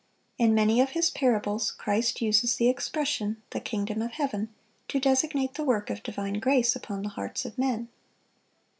In many of His parables, Christ uses the expression, "the kingdom of heaven," to designate the work of divine grace upon the hearts of men.